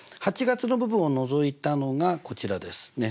８月の部分をのぞいたのがこちらです。